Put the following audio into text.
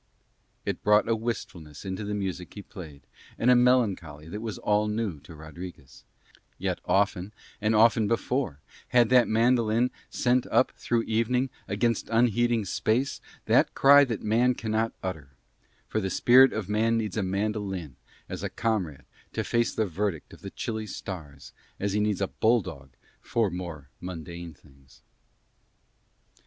It brought a wistfulness into the music he played, and a melancholy that was all new to Rodriguez, yet often and often before had that mandolin sent up through evening against unheeding Space that cry that man cannot utter; for the spirit of man needs a mandolin as a comrade to face the verdict of the chilly stars as he needs a bulldog for more mundane things.